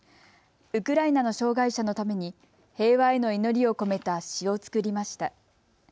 ウクライナの障害者のために平和への祈りを込めた詩を作りました。